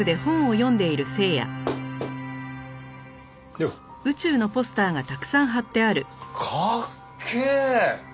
よっ。かっけえ！